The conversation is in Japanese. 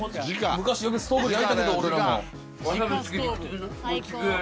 昔よくストーブで焼いたけど俺らも。